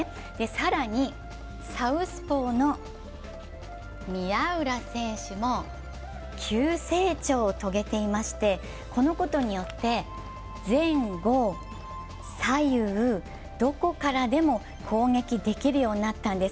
更に、サウスポーの宮浦選手も急成長を遂げていましてこのことによって前後左右どこからでも攻撃できるようになったんです。